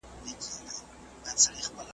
آس هم ښکلی هم د جنګ وي هم د ننګ وي .